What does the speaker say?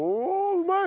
うまい！